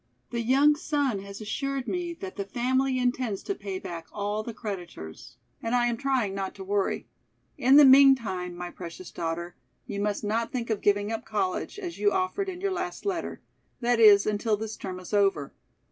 The young son has assured me that the family intends to pay back all the creditors, and I am trying not to worry. In the meantime, my precious daughter, you must not think of giving up college, as you offered in your last letter; that is, until this term is over.